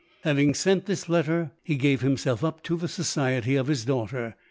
Having sent thi* letter, he gave himself up to the society of his daughter.